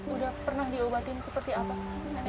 udah pernah diobatin seperti apa